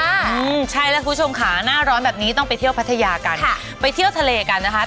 อืมใช่แล้วคุณผู้ชมค่ะหน้าร้อนแบบนี้ต้องไปเที่ยวพัทยากันค่ะไปเที่ยวทะเลกันนะคะ